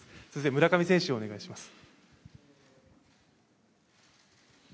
村上選手、お願いします。